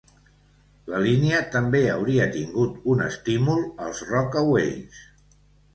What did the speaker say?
La línia també hauria tingut un estímul als Rockaways.